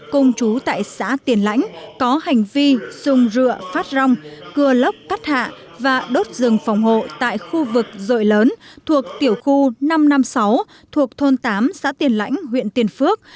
cùng chú tại xã tiền lãnh có hành vi dùng rượu phát rong cưa lốc cắt hạ và đốt rừng phòng hộ tại khu vực rội lớn thuộc tiểu khu năm trăm năm mươi sáu thuộc thôn tám xã tiên lãnh huyện tiên phước